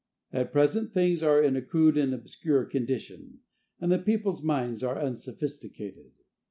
"At present things are in a crude and obscure condition, and the people's minds are unsophisticated.